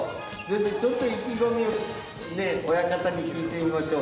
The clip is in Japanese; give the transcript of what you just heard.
ちょっと意気込みをね、親方に聞いてみましょう。